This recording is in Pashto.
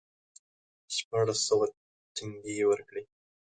شپاړس سوه ټنګې یې ورکړې.